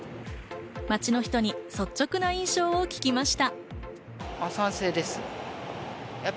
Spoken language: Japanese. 街の人に率直な印象を聞きました。